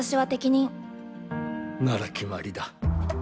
なら、決まりだ。